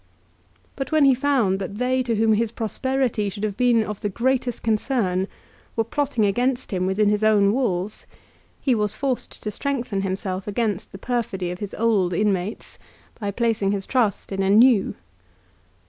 But when he found that they to whom his prosperity should have been of the greatest concern were plotting against him within his own walls, he was forced to strengthen himself against the perfidy of his old inmates by placing his trust in new.